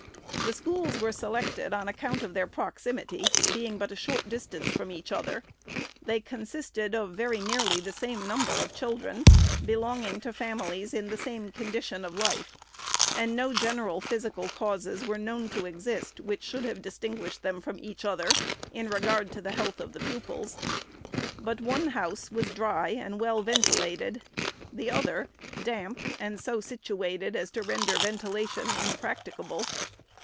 The schools were selected on account of their proximity, being but a short distance from each other ; they consisted of very nearly the same number of children, belonging to families in the same condition of life, and no general physical causes were known to exist, which should have distinguished them from each other, in regard to the health of the pupils. But one house was dry and well ventilated; the other damp, and so situated as to render ventilation impracti cable.